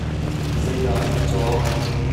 Zeidah na cawk? .